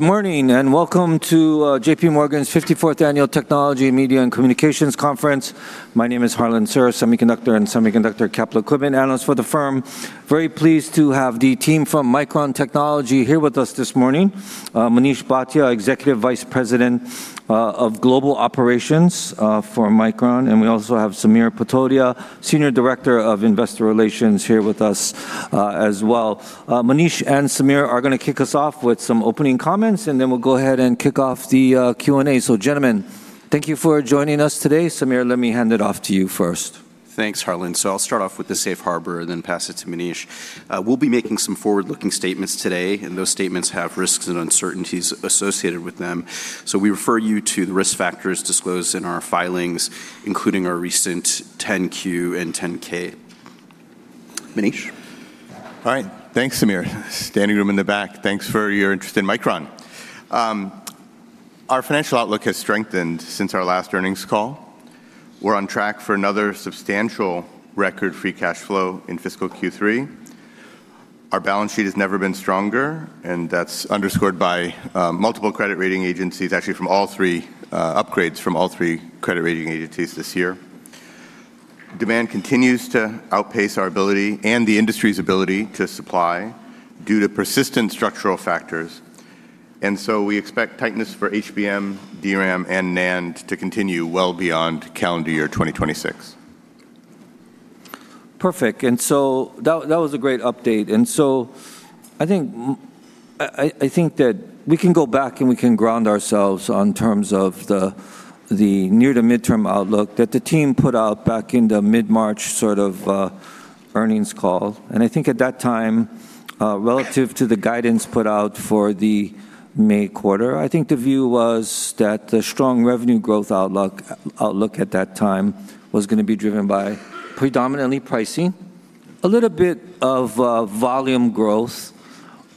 Good morning, and welcome to J.P. Morgan's 54th Annual Technology, Media, and Communications Conference. My name is Harlan Sur, semiconductor and semiconductor capital equipment analyst for the firm. Very pleased to have the team from Micron Technology here with us this morning. Manish Bhatia, Executive Vice President of Global Operations for Micron, and we also have Samir Patodia, Senior Director of Investor Relations here with us as well. Manish and Samir are going to kick us off with some opening comments, and then we'll go ahead and kick off the Q&A. Gentlemen, thank you for joining us today. Samir, let me hand it off to you first. Thanks, Harlan. I'll start off with the safe harbor and then pass it to Manish. We'll be making some forward-looking statements today, and those statements have risks and uncertainties associated with them. We refer you to the risk factors disclosed in our filings, including our recent 10-Q and 10-K. Manish? All right. Thanks, Samir. Standing room in the back. Thanks for your interest in Micron. Our financial outlook has strengthened since our last earnings call. We're on track for another substantial record free cash flow in fiscal Q3. Our balance sheet has never been stronger, and that's underscored by multiple credit rating agencies, actually from all three upgrades from all three credit rating agencies this year. Demand continues to outpace our ability and the industry's ability to supply due to persistent structural factors. We expect tightness for HBM, DRAM, and NAND to continue well beyond calendar year 2026. Perfect. That was a great update. I think that we can go back and we can ground ourselves on terms of the near to midterm outlook that the team put out back in the mid-March earnings call. I think at that time, relative to the guidance put out for the May quarter, I think the view was that the strong revenue growth outlook at that time was going to be driven by predominantly pricing. A little bit of volume growth.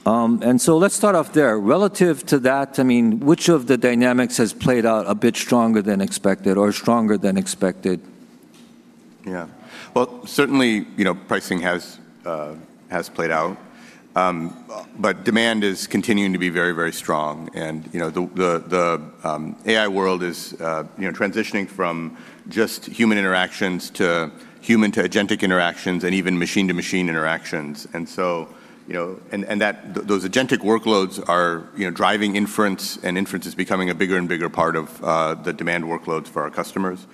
Let's start off there. Relative to that, which of the dynamics has played out a bit stronger than expected or stronger than expected? Yeah. Well, certainly, pricing has played out. Demand is continuing to be very strong, and the AI world is transitioning from just human interactions to human to agentic interactions, and even machine to machine interactions. Those agentic workloads are driving inference, and inference is becoming a bigger and bigger part of the demand workloads for our customers.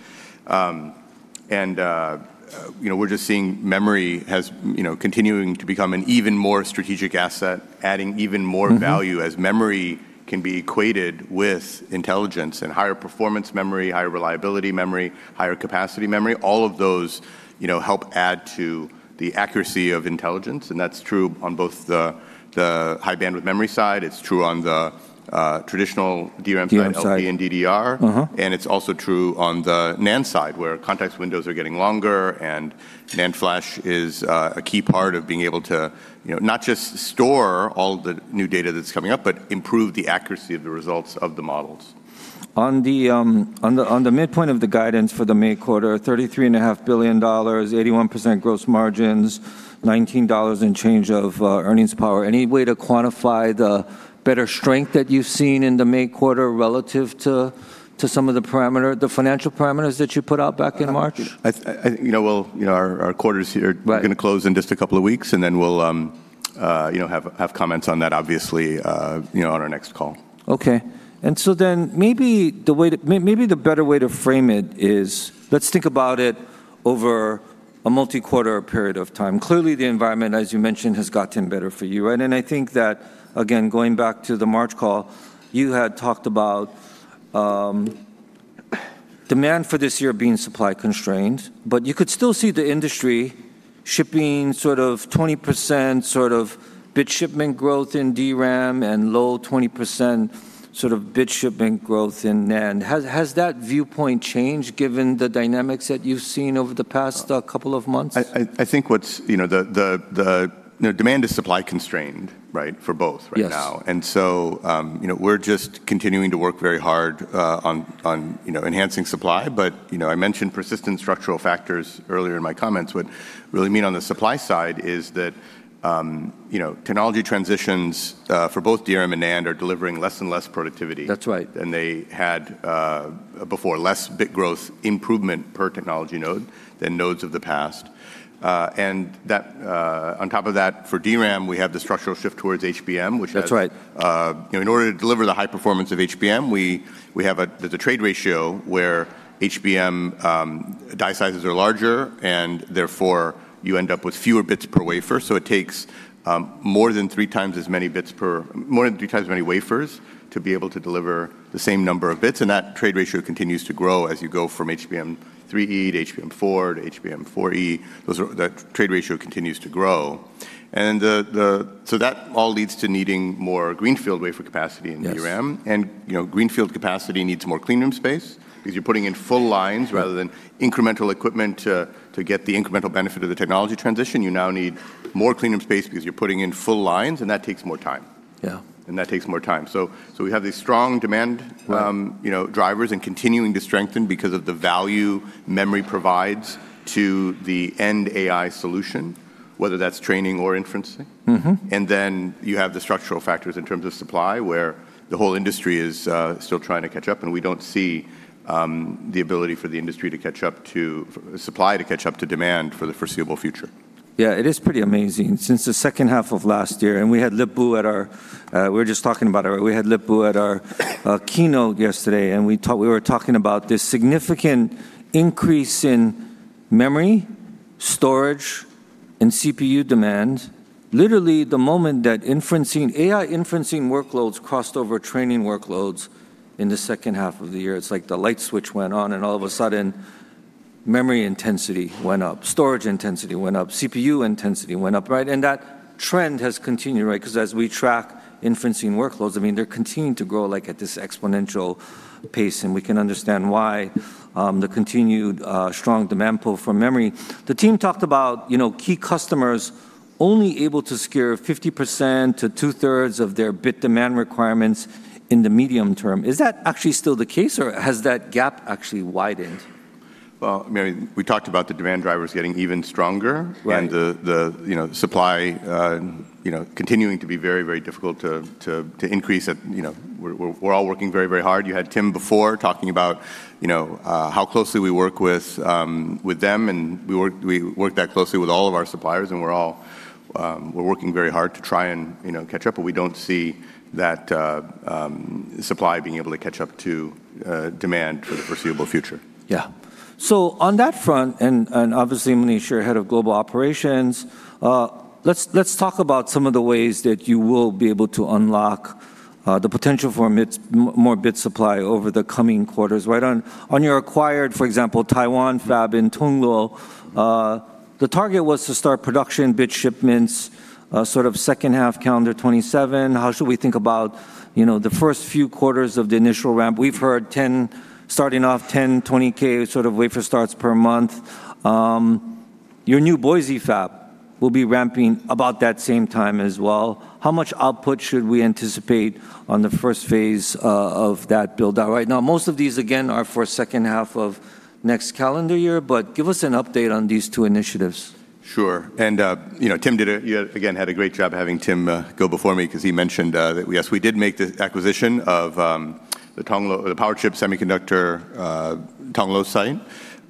We're just seeing memory as continuing to become an even more strategic asset. value as memory can be equated with intelligence. Higher performance memory, higher reliability memory, higher capacity memory, all of those help add to the accuracy of intelligence, and that's true on both the High Bandwidth Memory side, it's true on the traditional DRAM side. DRAM side. LPDRAM and LPDDR. It's also true on the NAND side, where context windows are getting longer, NAND flash is a key part of being able to not just store all the new data that's coming up, but improve the accuracy of the results of the models. On the midpoint of the guidance for the May quarter, $33.5 billion, 81% gross margins, $19 in change of earnings power, any way to quantify the better strength that you've seen in the May quarter relative to some of the financial parameters that you put out back in March? Our quarters here. Right are going to close in just two weeks, and then we'll have comments on that obviously on our next call. Okay. Maybe the better way to frame it is let's think about it over a multi-quarter period of time. Clearly, the environment, as you mentioned, has gotten better for you, right? I think that, again, going back to the March call, you had talked about demand for this year being supply constrained, but you could still see the industry shipping sort of 20% bit shipment growth in DRAM and low 20% bit shipment growth in NAND. Has that viewpoint changed given the dynamics that you've seen over the past couple of months? I think demand is supply constrained for both right now. Yes. We're just continuing to work very hard on enhancing supply. I mentioned persistent structural factors earlier in my comments. What really mean on the supply side is that technology transitions for both DRAM and NAND are delivering less and less productivity. That's right. than they had before. Less bit growth improvement per technology node than nodes of the past. On top of that, for DRAM, we have the structural shift towards HBM. That's right. in order to deliver the high performance of HBM, there's a trade ratio where HBM die sizes are larger, and therefore you end up with fewer bits per wafer. It takes more than three times as many wafers to be able to deliver the same number of bits, that trade ratio continues to grow as you go from HBM3E to HBM4 to HBM4E. That trade ratio continues to grow. That all leads to needing more greenfield wafer capacity in DRAM. Yes. Greenfield capacity needs more clean room space because you're putting in full lines rather than incremental equipment to get the incremental benefit of the technology transition. You now need more clean room space because you're putting in full lines, and that takes more time. Yeah. That takes more time. We have these strong demand drivers and continuing to strengthen because of the value memory provides to the end AI solution. Whether that's training or inferencing. You have the structural factors in terms of supply, where the whole industry is still trying to catch up, and we don't see the ability for supply to catch up to demand for the foreseeable future. Yeah, it is pretty amazing. Since the second half of last year, and we had Lip-Bu. We were just talking about it. We had Lip-Bu at our keynote yesterday, and we were talking about this significant increase in memory, storage, and CPU demand. Literally the moment that AI inferencing workloads crossed over training workloads in the second half of the year, it's like the light switch went on, and all of a sudden, memory intensity went up, storage intensity went up, CPU intensity went up, right? That trend has continued, right? As we track inferencing workloads, they're continuing to grow at this exponential pace, and we can understand why, the continued strong demand pull from memory. The team talked about key customers only able to secure 50% to 2/3 of their bit demand requirements in the medium term. Is that actually still the case, or has that gap actually widened? Well, we talked about the demand drivers getting even stronger. Right The supply continuing to be very difficult to increase. We're all working very hard. You had Tim before talking about how closely we work with them, and we work that closely with all of our suppliers, and we're working very hard to try and catch up, but we don't see that supply being able to catch up to demand for the foreseeable future. On that front, and obviously, Manish, you're Head of Global Operations, let's talk about some of the ways that you will be able to unlock the potential for more bit supply over the coming quarters. On your acquired, for example, Taiwan fab in Tongluo, the target was to start production bit shipments sort of second half calendar 2027. How should we think about the first few quarters of the initial ramp? We've heard starting off 10K, 20K sort of wafer starts per month. Your new Boise fab will be ramping about that same time as well. How much output should we anticipate on the first phase of that build-out? Right now, most of these, again, are for second half of next calendar year, but give us an update on these two initiatives. Sure. You again had a great job having Tim go before me, because he mentioned that, yes, we did make the acquisition of the Powerchip Semiconductor Tongluo site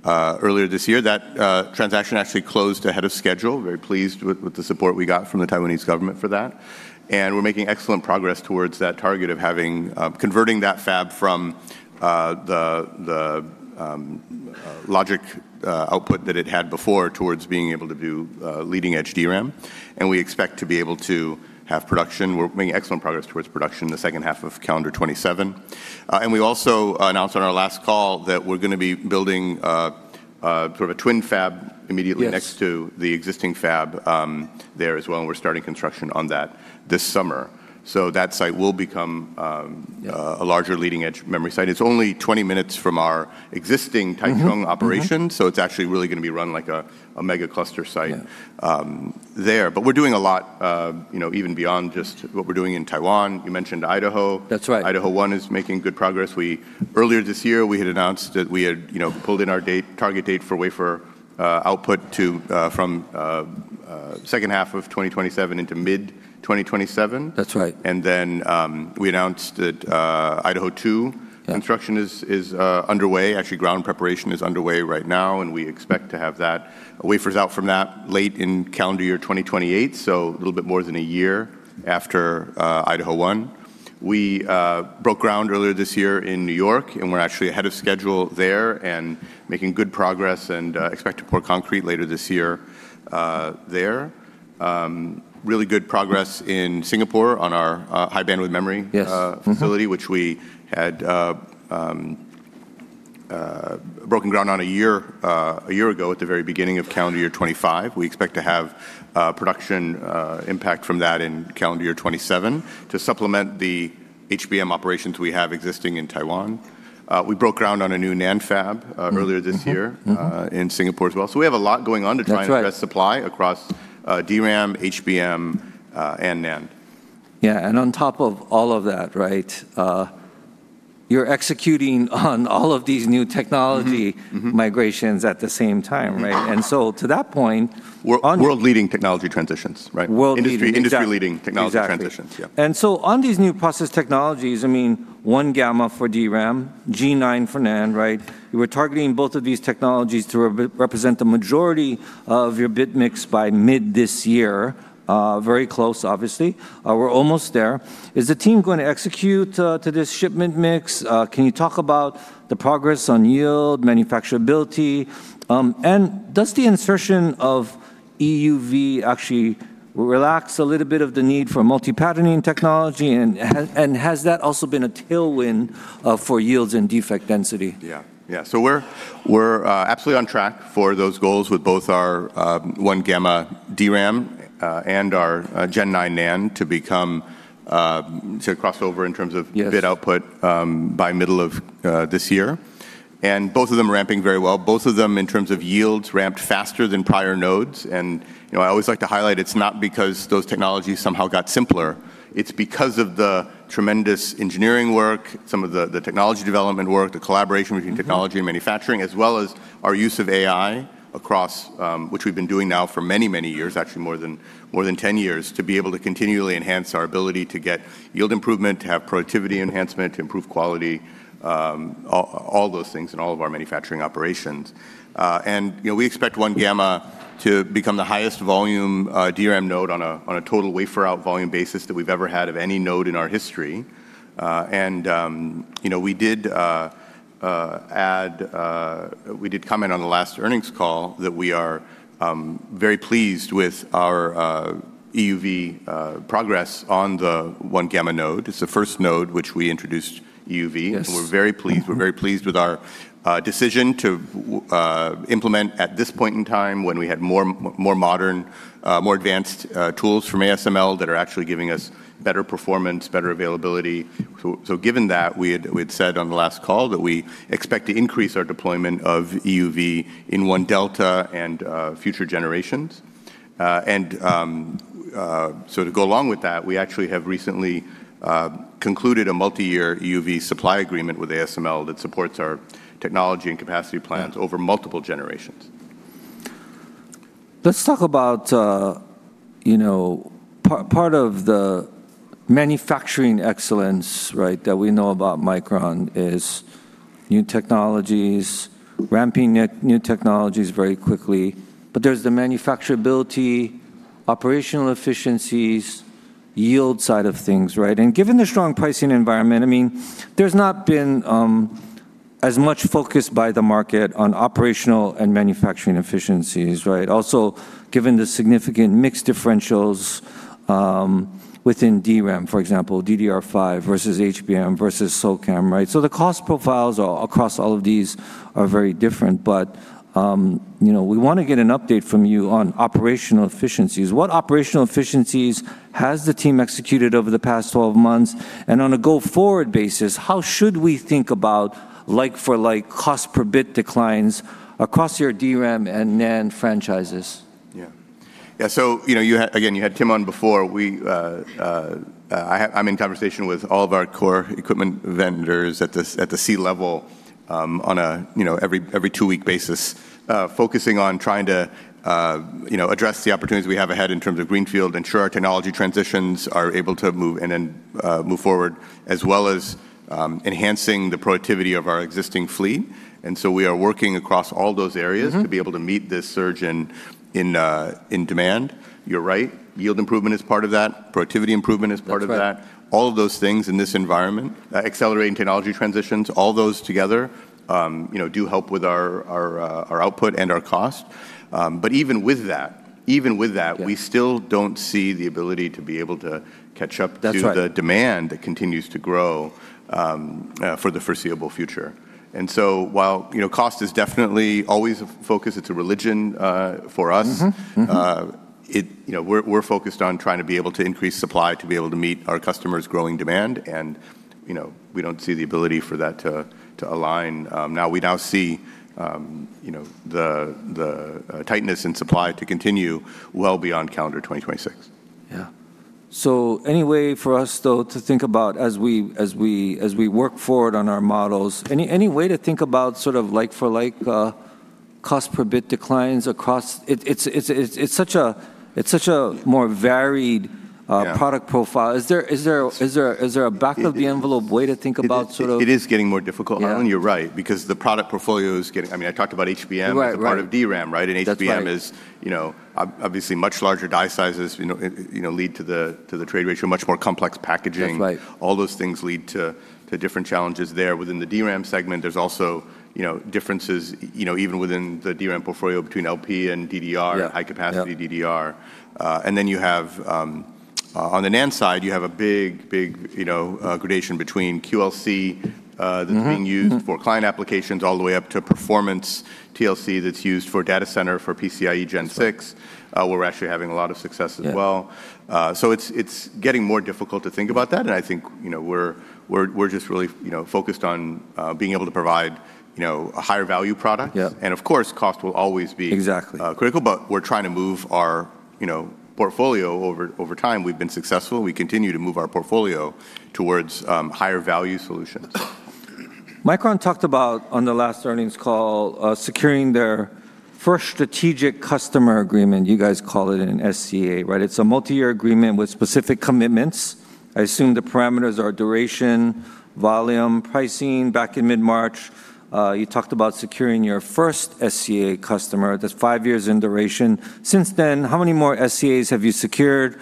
earlier this year. That transaction actually closed ahead of schedule. Very pleased with the support we got from the Taiwanese government for that. We're making excellent progress towards that target of converting that fab from the logic output that it had before towards being able to do leading-edge DRAM. We expect to be able to have production. We're making excellent progress towards production in the second half of calendar 2027. We also announced on our last call that we're going to be building sort of a twin fab. Yes next to the existing fab there as well, and we're starting construction on that this summer. That site will become a larger leading-edge memory site. It's only 20 minutes from our existing Taichung operation, so it's actually really going to be run like a mega cluster site there. We're doing a lot even beyond just what we're doing in Taiwan. You mentioned Idaho. That's right. Idaho 1 is making good progress. Earlier this year, we had announced that we had pulled in our target date for wafer output from second half of 2027 into mid-2027. That's right. We announced that Idaho 2 construction is underway. Actually, ground preparation is underway right now, and we expect to have wafers out from that late in calendar year 2028, so a little bit more than a year after Idaho 1. We broke ground earlier this year in N.Y., and we're actually ahead of schedule there and making good progress and expect to pour concrete later this year there. Really good progress in Singapore on our high-bandwidth memory. Yes. Mm-hmm. facility, which we had broken ground on a year ago at the very beginning of calendar year 2025. We expect to have production impact from that in calendar year 2027 to supplement the HBM operations we have existing in Taiwan. We broke ground on a new NAND fab earlier this year. in Singapore as well. We have a lot going on. That's right. Address supply across DRAM, HBM, and NAND. Yeah, on top of all of that, you're executing on all of these new technology. migrations at the same time, right? To that point. World-leading technology transitions, right? World-leading, exactly. Industry-leading technology transitions. Exactly. Yeah. On these new process technologies, 1-gamma for DRAM, G9 for NAND. You were targeting both of these technologies to represent the majority of your bit mix by mid this year. Very close, obviously. We're almost there. Is the team going to execute to this shipment mix? Can you talk about the progress on yield, manufacturability? Does the insertion of EUV actually will relax a little bit of the need for multi-patterning technology, and has that also been a tailwind for yields in defect density? Yeah. We're absolutely on track for those goals with both our 1-gamma DRAM and our Gen 9 NAND to cross over. Yes bit output by middle of this year. Both of them ramping very well, both of them in terms of yields ramped faster than prior nodes. I always like to highlight it is not because those technologies somehow got simpler. It is because of the tremendous engineering work, some of the technology development work, the collaboration between technology and manufacturing, as well as our use of AI across, which we have been doing now for many, many years, actually more than 10 years, to be able to continually enhance our ability to get yield improvement, to have productivity enhancement, to improve quality, all those things in all of our manufacturing operations. We expect 1-gamma to become the highest volume DRAM node on a total wafer out volume basis that we have ever had of any node in our history. We did comment on the last earnings call that we are very pleased with our EUV progress on the 1-gamma node. It's the first node which we introduced EUV. Yes. We're very pleased with our decision to implement at this point in time when we had more modern, more advanced tools from ASML that are actually giving us better performance, better availability. Given that, we had said on the last call that we expect to increase our deployment of EUV in 1-delta and future generations. To go along with that, we actually have recently concluded a multi-year EUV supply agreement with ASML that supports our technology and capacity plans over multiple generations. Let's talk about part of the manufacturing excellence, right, that we know about Micron is new technologies, ramping new technologies very quickly, but there's the manufacturability, operational efficiencies, yield side of things, right? Given the strong pricing environment, there's not been as much focus by the market on operational and manufacturing efficiencies, right? Also, given the significant mix differentials within DRAM, for example, DDR5 versus HBM versus SOCAMM, right? The cost profiles across all of these are very different. We want to get an update from you on operational efficiencies. What operational efficiencies has the team executed over the past 12 months? On a go-forward basis, how should we think about like-for-like cost per bit declines across your DRAM and NAND franchises? Yeah. Again, you had Tim on before. I'm in conversation with all of our core equipment vendors at the C-level on every two-week basis, focusing on trying to address the opportunities we have ahead in terms of greenfield, ensure our technology transitions are able to move forward, as well as enhancing the productivity of our existing fleet. We are working across all those areas. to be able to meet this surge in demand. You're right. Yield improvement is part of that. Productivity improvement is part of that. That's right. All of those things in this environment, accelerating technology transitions, all those together do help with our output and our cost. Even with that, we still don't see the ability to be able to catch up. That's right. to the demand that continues to grow for the foreseeable future. While cost is definitely always a focus, it's a religion for us. We're focused on trying to be able to increase supply to be able to meet our customers' growing demand, and we don't see the ability for that to align. We now see the tightness in supply to continue well beyond calendar 2026. Yeah. Any way for us, though, to think about as we work forward on our models, any way to think about like for like cost per bit declines across? It's such a more varied. Yeah product profile. Is there a back of the envelope way to think about? It is getting more difficult. Yeah. Harlan Sur, you're right, because the product portfolio is. I talked about HBM. Right as a part of DRAM, right? That's right. HBM is obviously much larger die sizes lead to the trade ratio, much more complex packaging. That's right. All those things lead to different challenges there within the DRAM segment. There's also differences even within the DRAM portfolio between LP and LPDDR. Yeah high-capacity DDR. You have on the NAND side, you have a big gradation between QLC that's being used for client applications all the way up to performance TLC that's used for data center for PCIe Gen 6. That's right. We're actually having a lot of success as well. Yeah. It's getting more difficult to think about that, and I think we're just really focused on being able to provide a higher value product. Yeah. And of course, cost will always be- Exactly critical, but we're trying to move our portfolio over time. We've been successful. We continue to move our portfolio towards higher value solutions. Micron talked about on the last earnings call, securing their first strategic customer agreement. You guys call it an SCA, right? It's a multi-year agreement with specific commitments. I assume the parameters are duration, volume, pricing. Back in mid-March, you talked about securing your first SCA customer that's five years in duration. Since then, how many more SCAs have you secured?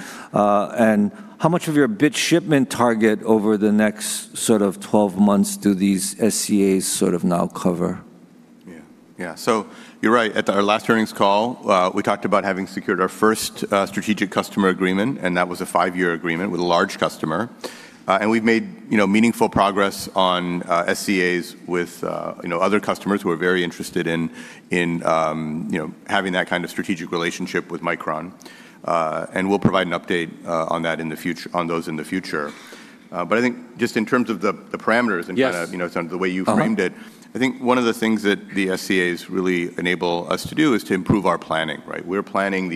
How much of your bit shipment target over the next 12 months do these SCAs now cover? Yeah. You're right. At our last earnings call, we talked about having secured our first strategic customer agreement, and that was a five-year agreement with a large customer. We've made meaningful progress on SCAs with other customers who are very interested in having that kind of strategic relationship with Micron. We'll provide an update on those in the future. I think just in terms of the parameters. Yes Kind of the way you framed it, I think one of the things that the SCAs really enable us to do is to improve our planning. Right?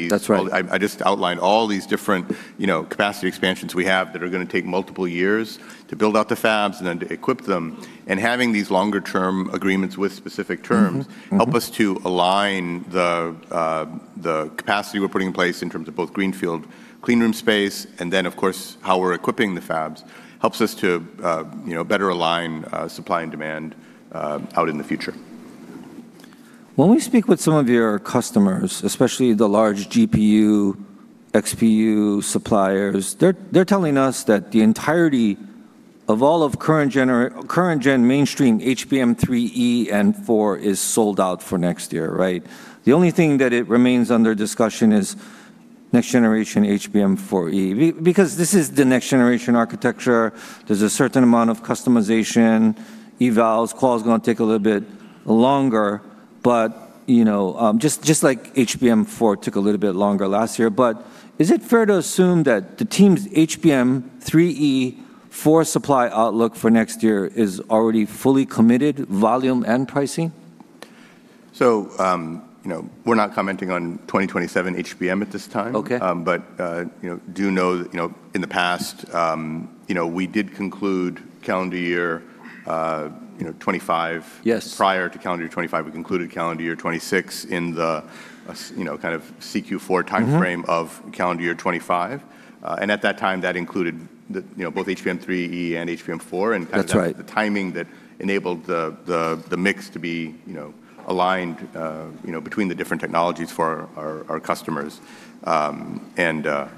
That's right. I just outlined all these different capacity expansions we have that are going to take multiple years to build out the fabs and then to equip them. Having these longer-term agreements with specific terms help us to align the capacity we're putting in place in terms of both greenfield clean room space, and then, of course, how we're equipping the fabs helps us to better align supply and demand out in the future. When we speak with some of your customers, especially the large GPU, XPU suppliers, they're telling us that the entirety of all of current gen mainstream HBM3E and HBM4 is sold out for next year. Right? The only thing that it remains under discussion is next generation HBM4E, because this is the next-generation architecture. There's a certain amount of customization, evals, qual's going to take a little bit longer, but just like HBM4 took a little bit longer last year. Is it fair to assume that the team's HBM3E ,HBM4 supply outlook for next year is already fully committed, volume and pricing? We're not commenting on 2027 HBM at this time. Okay. Do know that in the past, we did conclude calendar year 2025. Yes. Prior to calendar year 2025, we concluded calendar year 2026 in the kind of CQ4 timeframe of calendar year 2025. At that time, that included both HBM3E and HBM4. That's right. The timing that enabled the mix to be aligned between the different technologies for our customers. We're not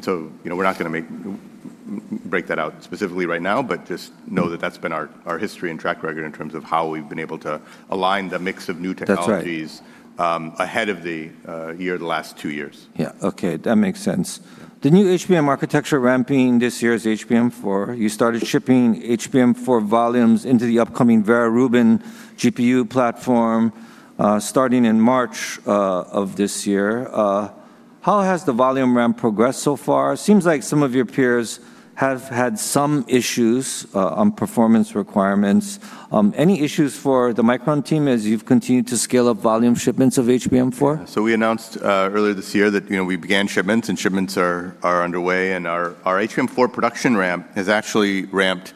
going to break that out specifically right now, but just know that that's been our history and track record in terms of how we've been able to align the mix of new technologies. That's right. ahead of the year the last two years. Yeah. Okay. That makes sense. The new HBM architecture ramping this year is HBM4. You started shipping HBM4 volumes into the upcoming Vera Rubin GPU platform starting in March of this year. How has the volume ramp progressed so far? Seems like some of your peers have had some issues on performance requirements. Any issues for the Micron team as you've continued to scale up volume shipments of HBM4? We announced earlier this year that we began shipments, and shipments are underway. Our HBM4 production ramp has actually ramped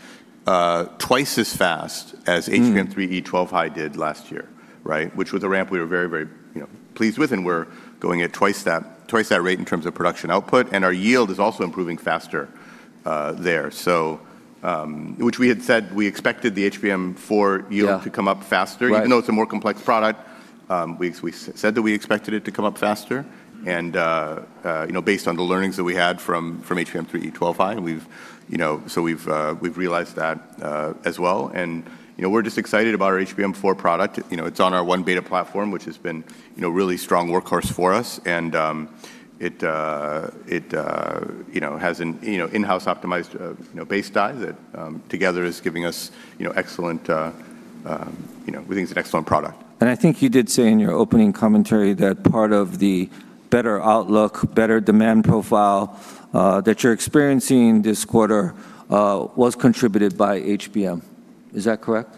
twice as fast as HBM3E 12-High did last year. Right? Which was a ramp we were very, very pleased with, and we're going at twice that rate in terms of production output, and our yield is also improving faster there. Which we had said we expected the HBM4 yield to come up faster. Right. Even though it's a more complex product, we said that we expected it to come up faster, based on the learnings that we had from HBM3E 12-High, we've realized that as well. We're just excited about our HBM4 product. It's on our 1-beta platform, which has been really strong workhorse for us. It has an in-house optimized base die that together is giving us an excellent product. I think you did say in your opening commentary that part of the better outlook, better demand profile that you're experiencing this quarter was contributed by HBM. Is that correct?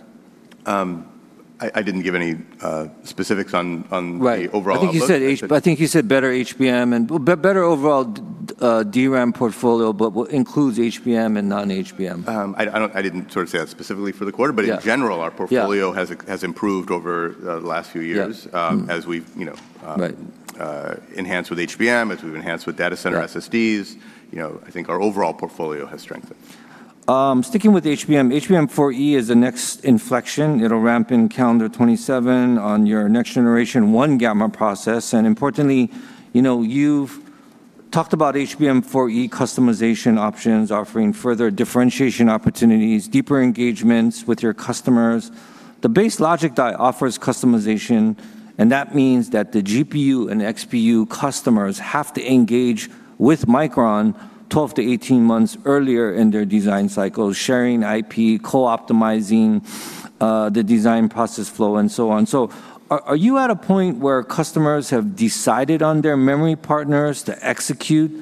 I didn't give any specifics on the overall outlook. Right. I think you said better HBM and better overall DRAM portfolio, but includes HBM and non-HBM. I didn't sort of say that specifically for the quarter. Yeah. In general, our portfolio has improved over the last few years. Yeah. Mm-hmm. Right. As we've enhanced with HBM, as we've enhanced with data center SSDs, I think our overall portfolio has strengthened. Sticking with HBM, HBM4E is the next inflection. It'll ramp in calendar 2027 on your next generation 1-gamma process. Importantly, you've talked about HBM4E customization options offering further differentiation opportunities, deeper engagements with your customers. The base logic die offers customization, that means that the GPU and XPU customers have to engage with Micron 12-18 months earlier in their design cycle, sharing IP, co-optimizing the design process flow and so on. Are you at a point where customers have decided on their memory partners to execute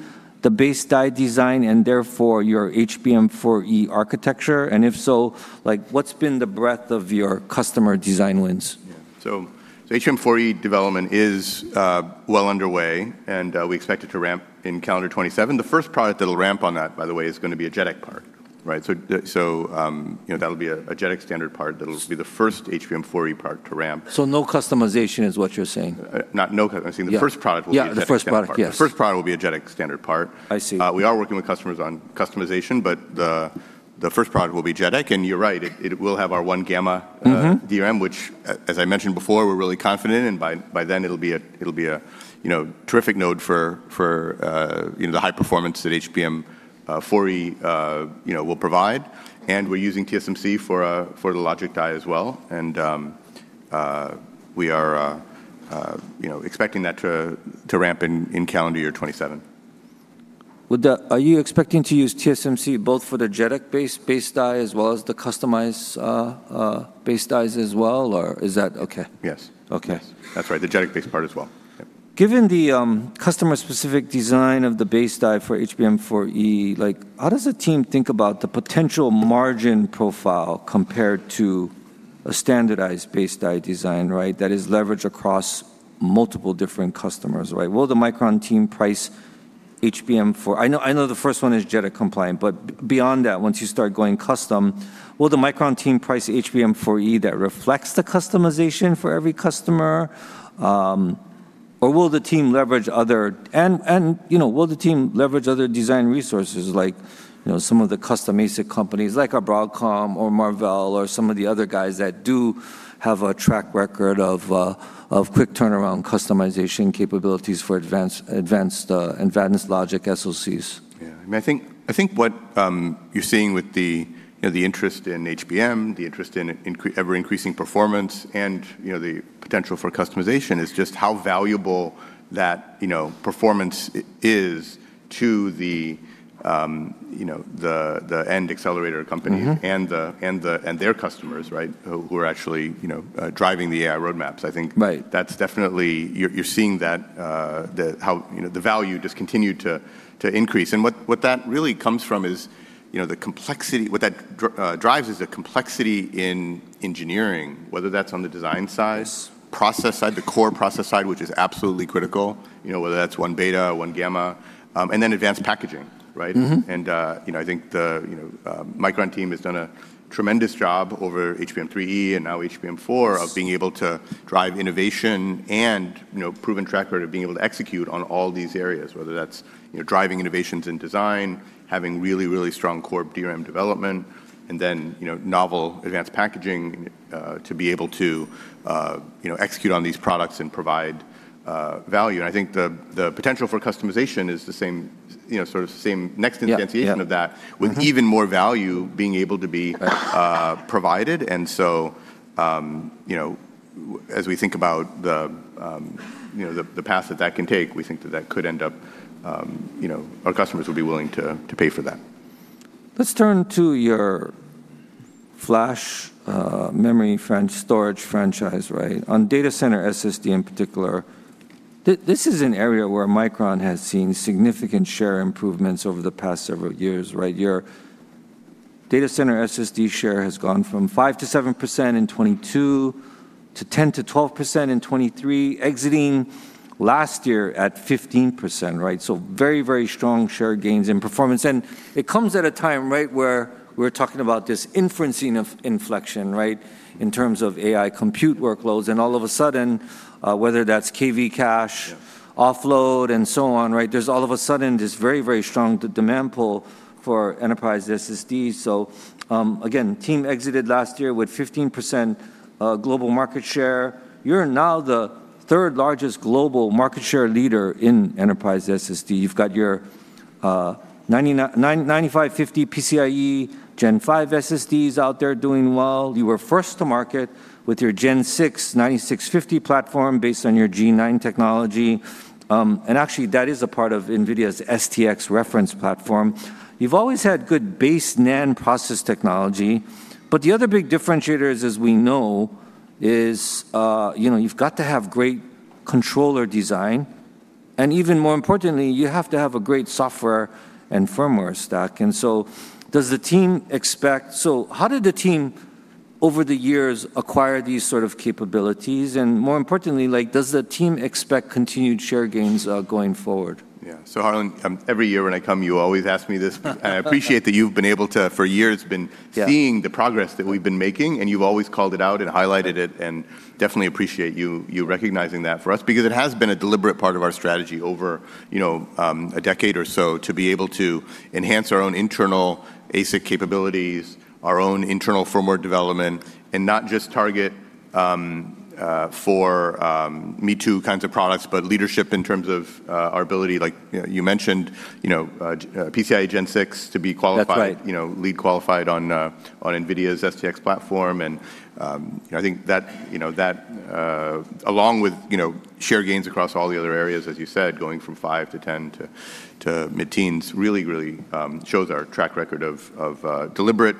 the base die design and therefore your HBM4E architecture? If so, what's been the breadth of your customer design wins? Yeah. HBM4E development is well underway, and we expect it to ramp in calendar 2027. The first product that'll ramp on that, by the way, is going to be a JEDEC part. Right? That'll be a JEDEC standard part. That'll be the first HBM4E part to ramp. No customization is what you're saying? Not no customization. Yeah. The first product will be a JEDEC standard part. Yeah, the first product. Yes. The first product will be a JEDEC standard part. I see. We are working with customers on customization, but the first product will be JEDEC, and you're right, it will have our 1-gamma. DRAM, which, as I mentioned before, we're really confident in, and by then, it'll be a terrific node for the high performance that HBM4E will provide. We're using TSMC for the logic die as well. We are expecting that to ramp in calendar year 2027. Are you expecting to use TSMC both for the JEDEC-based die as well as the customized-based dies as well? Is that okay? Yes. Okay. That's right. The JEDEC-based part as well. Yeah. Given the customer-specific design of the base die for HBM4E, how does the team think about the potential margin profile compared to a standardized base die design, that is leveraged across multiple different customers? I know the first one is JEDEC compliant, but beyond that, once you start going custom, will the Micron team price HBM4E that reflects the customization for every customer? Will the team leverage other design resources like some of the custom ASIC companies like a Broadcom or Marvell or some of the other guys that do have a track record of quick turnaround customization capabilities for advanced logic SoCs? I think what you're seeing with the interest in HBM, the interest in ever-increasing performance, and the potential for customization is just how valuable that performance is to the end accelerator company. Their customers who are actually driving the AI roadmaps. Right. You're seeing the value just continue to increase. What that drives is the complexity in engineering, whether that's on the design side, process side, the core process side, which is absolutely critical, whether that's 1-beta or 1-gamma, and then advanced packaging, right? I think the Micron team has done a tremendous job over HBM3E and now HBM4 of being able to drive innovation, and proven track record of being able to execute on all these areas, whether that's driving innovations in design, having really, really strong core DRAM development, and then novel advanced packaging to be able to execute on these products and provide value. I think the potential for customization is the next instantiation of that. Yeah with even more value being able to be provided. As we think about the path that that can take, we think that our customers would be willing to pay for that. Let's turn to your flash memory storage franchise. On data center SSD in particular, this is an area where Micron has seen significant share improvements over the past several years. Your data center SSD share has gone from 5%-7% in 2022, to 10%-12% in 2023, exiting last year at 15%. Very, very strong share gains in performance. It comes at a time where we're talking about this inferencing inflection in terms of AI compute workloads, and all of a sudden, whether that's KV cache. Yeah offload, and so on, there's all of a sudden this very, very strong demand pull for enterprise SSD. Again, team exited last year with 15% global market share. You're now the third-largest global market share leader in enterprise SSD. You've got your 9550 PCIe Gen 5 SSDs out there doing well. You were first to market with your Gen 6 9650 platform based on your G9 technology. Actually, that is a part of Nvidia's STX reference platform. You've always had good base NAND process technology, but the other big differentiator, as we know, is you've got to have great controller design, and even more importantly, you have to have a great software and firmware stack. How did the team over the years acquire these sort of capabilities, and more importantly, does the team expect continued share gains going forward? Yeah. Harlan, every year when I come, you always ask me this. I appreciate that you've been able to, for years. Yeah seeing the progress that we've been making, and you've always called it out and highlighted it, and definitely appreciate you recognizing that for us because it has been a deliberate part of our strategy over a decade or so to be able to enhance our own internal ASIC capabilities, our own internal firmware development, and not just target for me-too kinds of products, but leadership in terms of our ability, like you mentioned, PCIe Gen 6 to be qualified. That's right. lead qualified on Nvidia's STX platform. I think that, along with share gains across all the other areas, as you said, going from five to 10 to mid-teens really shows our track record of deliberate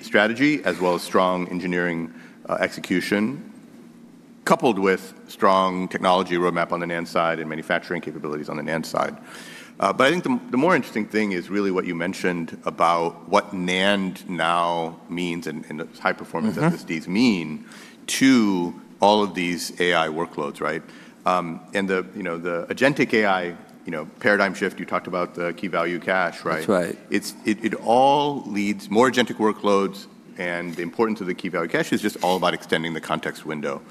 strategy as well as strong engineering execution, coupled with strong technology roadmap on the NAND side and manufacturing capabilities on the NAND side. I think the more interesting thing is really what you mentioned about what NAND now means, and high-performance SSDs mean to all of these AI workloads. The agentic AI paradigm shift, you talked about the key value cache, right? That's right. More agentic workloads and the importance of the key value cache is just all about extending the context window.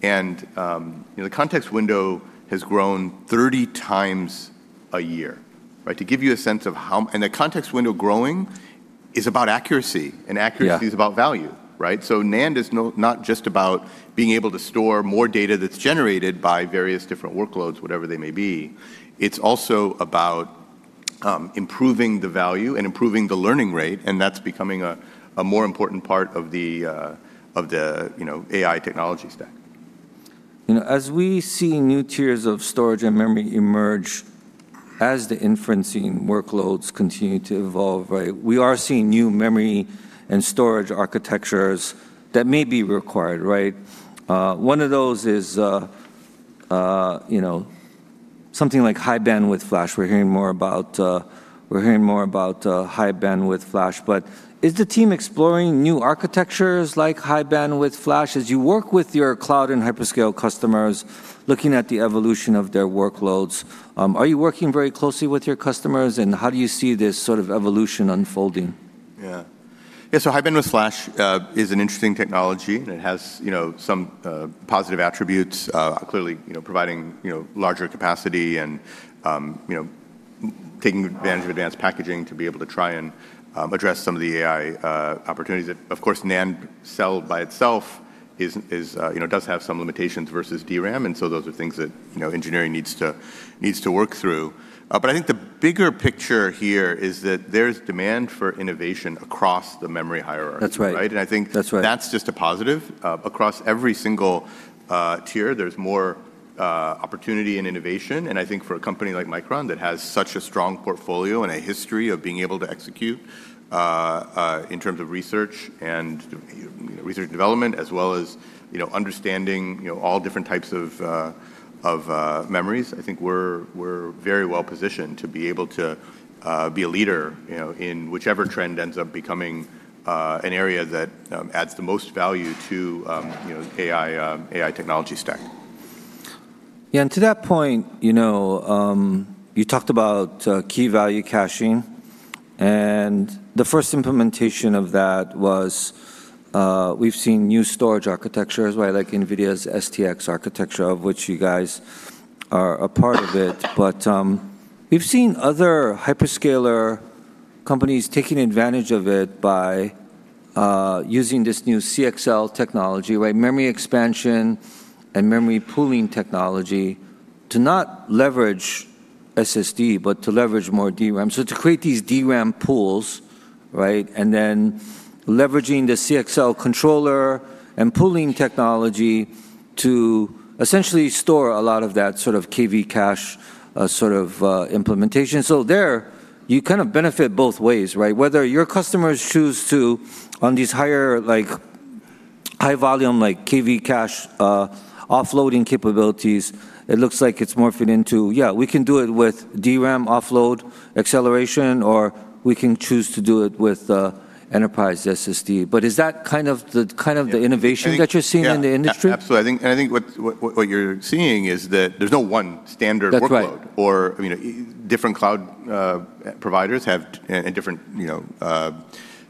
The context window has grown 30 times a year. The context window growing is about accuracy. Yeah is about value. NAND is not just about being able to store more data that's generated by various different workloads, whatever they may be. It's also about improving the value and improving the learning rate, and that's becoming a more important part of the AI technology stack. As we see new tiers of storage and memory emerge, as the inferencing workloads continue to evolve, we are seeing new memory and storage architectures that may be required. One of those is something like high-bandwidth flash. We're hearing more about high-bandwidth flash. Is the team exploring new architectures like high-bandwidth flash? As you work with your cloud and hyperscale customers, looking at the evolution of their workloads, are you working very closely with your customers, and how do you see this sort of evolution unfolding? Yeah. High-bandwidth flash is an interesting technology, and it has some positive attributes, clearly providing larger capacity and taking advantage of advanced packaging to be able to try and address some of the AI opportunities. Of course, NAND cell by itself does have some limitations versus DRAM. Those are things that engineering needs to work through. I think the bigger picture here is that there's demand for innovation across the memory hierarchy. That's right. And I think- That's right. That's just a positive. Across every single tier, there's more opportunity and innovation. I think for a company like Micron that has such a strong portfolio and a history of being able to execute in terms of research and development as well as understanding all different types of memories, I think we're very well positioned to be able to be a leader in whichever trend ends up becoming an area that adds the most value to AI technology stack. To that point, you talked about key value caching, the first implementation of that was we've seen new storage architectures, like Nvidia's STX architecture, of which you guys are a part of it. We've seen other hyperscaler companies taking advantage of it by using this new CXL technology, memory expansion and memory pooling technology to not leverage SSD, but to leverage more DRAM. To create these DRAM pools, and then leveraging the CXL controller and pooling technology to essentially store a lot of that sort of KV cache sort of implementation. There you kind of benefit both ways. Whether your customers choose to, on these higher, high volume, KV cache offloading capabilities, it looks like it's morphing into, yeah, we can do it with DRAM offload acceleration, or we can choose to do it with enterprise SSD. Is that kind of the innovation that you're seeing in the industry? Yeah, absolutely. I think what you're seeing is that there's no one standard workload. That's right. Different cloud providers and different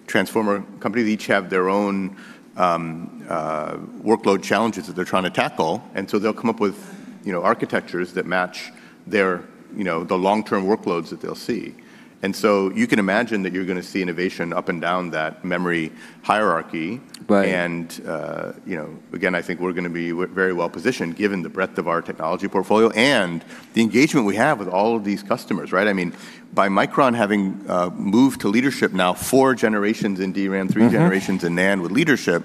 transformer companies each have their own workload challenges that they're trying to tackle, and so they'll come up with architectures that match the long-term workloads that they'll see. You can imagine that you're going to see innovation up and down that memory hierarchy. Right. Again, I think we're going to be very well positioned given the breadth of our technology portfolio and the engagement we have with all of these customers. By Micron having moved to leadership now four generations in DRAM, three generations in NAND with leadership,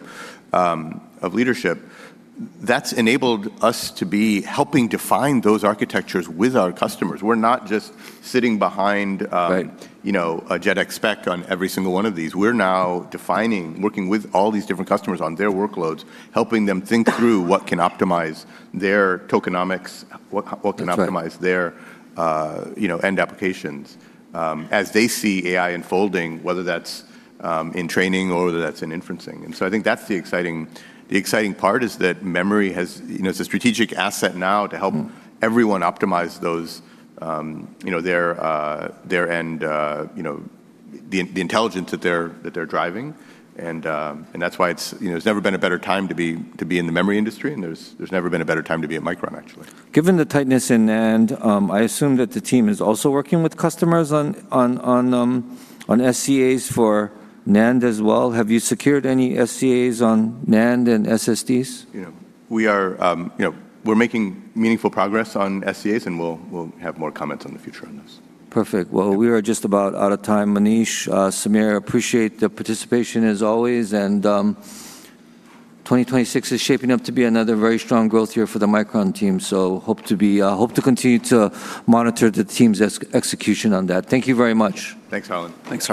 that's enabled us to be helping define those architectures with our customers. We're not just sitting behind. Right a JEDEC spec on every single one of these. We're now defining, working with all these different customers on their workloads, helping them think through what can optimize their tokenomics. That's right. their end applications as they see AI unfolding, whether that's in training or whether that's in inferencing. I think that's the exciting part, is that memory, it's a strategic asset now to help everyone optimize the intelligence that they're driving. That's why there's never been a better time to be in the memory industry, and there's never been a better time to be at Micron, actually. Given the tightness in NAND, I assume that the team is also working with customers on SCAs for NAND as well. Have you secured any SCAs on NAND and SSDs? We're making meaningful progress on SCAs. We'll have more comments on the future on this. Perfect. Well, we are just about out of time. Manish, Samir, appreciate the participation as always. 2026 is shaping up to be another very strong growth year for the Micron team, so hope to continue to monitor the team's execution on that. Thank you very much. Thanks, Harlan. Thanks, Harlan.